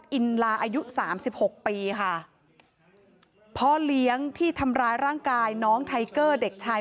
อินลาอายุสามสิบหกปีค่ะพ่อเลี้ยงที่ทำร้ายร่างกายน้องไทเกอร์เด็กชาย